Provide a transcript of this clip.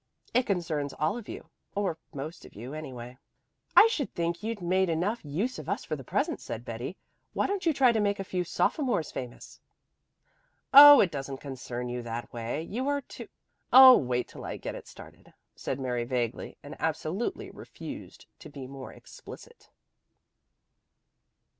It concerns all of you or most of you anyway." "I should think you'd made enough use of us for the present," said Betty. "Why don't you try to make a few sophomores famous?" "Oh it doesn't concern you that way. You are to Oh wait till I get it started," said Mary vaguely; and absolutely refused to be more explicit.